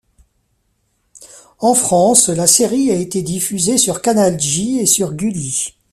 En France, la série a été diffusée sur Canal J et sur Gulli.